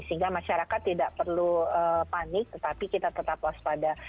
sehingga masyarakat tidak perlu panik tetapi kita tetap waspada